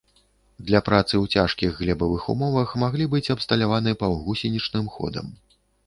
Для працы ў цяжкіх глебавых умовах маглі быць абсталяваны паўгусенічным ходам.